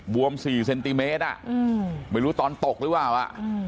บวมสี่เซนติเมตรอ่ะไม่รู้ตอนตกหรือว่าว่ะ